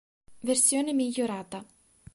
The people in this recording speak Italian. Versione migliorata.